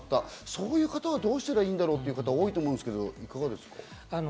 そういう方はどうしたらいいんだろうという方が多いと思いますけど、いかがですか？